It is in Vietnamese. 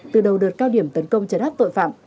từ đầu đợt cao điểm tấn công chấn áp tội phạm